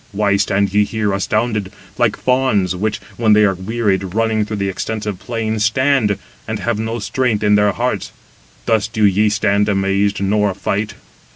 Why stand ye here astounded, like fawns, which, when they are wearied, running through the extensive plain, stand, and have no strength in their hearts? Thus do ye stand amazed, nor fight.